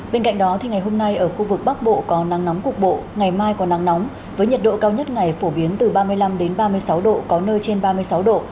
bên cạnh đó ngày hôm nay ở khu vực bắc bộ có nắng nóng cục bộ ngày mai có nắng nóng với nhiệt độ cao nhất ngày phổ biến từ ba mươi năm ba mươi sáu độ có nơi trên ba mươi sáu độ